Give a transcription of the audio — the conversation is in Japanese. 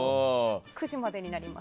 ９時までになります。